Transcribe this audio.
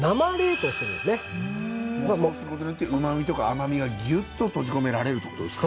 そうすることによって旨みとか甘味がギュッと閉じ込められるってことですか？